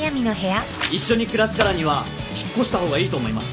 一緒に暮らすからには引っ越した方がいいと思います。